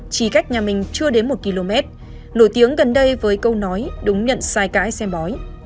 chỉ cách nhà mình chưa đến một km nổi tiếng gần đây với câu nói đúng nhận sai cãi xem bói